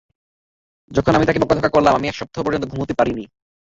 যখন আমি তাকে বকাঝকা করলাম, আমি এক সপ্তাহ পর্যন্ত ঘুমাতে পারিনি।